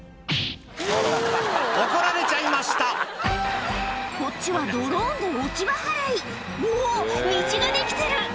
怒られちゃいましたこっちはドローンで落ち葉払いおぉ道ができてる！